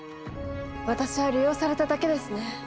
私は利用されただけですね。